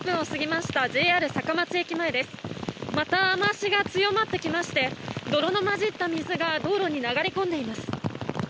また雨脚が強まってきまして泥の混じった水が道路に流れ込んでいます。